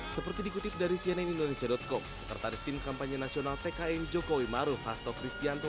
seperti dikutip dari cnn indonesia com sekretaris tim kampanye nasional tkn jokowi maruf hasto kristianto